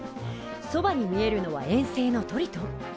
そばに見えるのは衛星のトリトン。